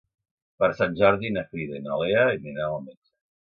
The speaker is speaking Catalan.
Per Sant Jordi na Frida i na Lea aniran al metge.